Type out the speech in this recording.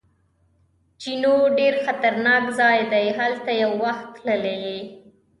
جینو: ډېر خطرناک ځای دی، هلته یو وخت تللی یې؟